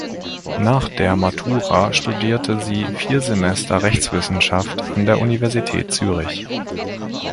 Nach der Matura studierte sie vier Semester Rechtswissenschaft an der Universität Zürich.